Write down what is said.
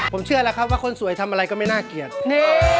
ผมเชื่อแล้วครับว่าคนสวยทำอะไรก็ไม่น่าเกลียดนี่